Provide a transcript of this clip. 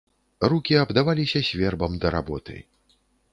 Рукі абдаваліся свербам да работы.